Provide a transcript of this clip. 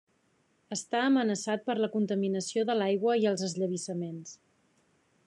Està amenaçat per la contaminació de l'aigua i els esllavissaments.